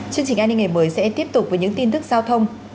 chương trình an ninh ngày mới sẽ tiếp tục với những tin tức giao thông